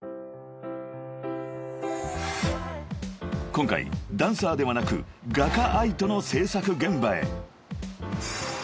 ［今回ダンサーではなく画家ＡＩＴＯの制作現場へ］